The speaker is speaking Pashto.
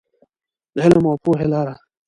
د علم او پوهې لاره.